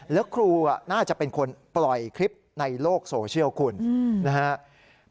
แล้วครูน่าจะเป็นคนปล่อยคลิปในโลกโซเชียลคุณนะครับ